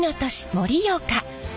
盛岡。